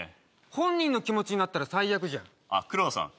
本人の気持ちになったら最悪じゃん黒田さん